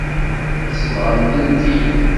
Sebɣen-tent-id.